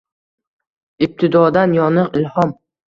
Ibtidodan yoniq ilhom